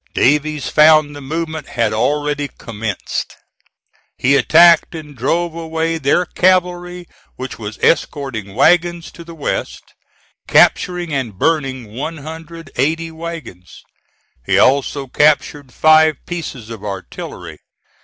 Davies found the movement had already commenced. He attacked and drove away their cavalry which was escorting wagons to the west, capturing and burning 180 wagons. He also captured five pieces of artillery.